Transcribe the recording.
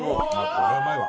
これはうまいわ。